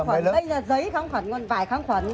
kháng khoản đây là giấy kháng khoản còn vải kháng khoản